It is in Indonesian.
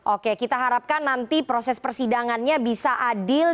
oke kita harapkan nanti proses persidangannya bisa adil